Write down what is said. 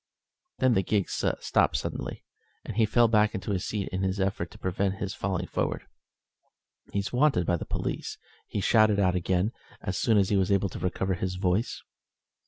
Then the gig stopped suddenly, and he fell back into his seat in his effort to prevent his falling forward. "He's wanted by the police," he shouted out again, as soon as he was able to recover his voice.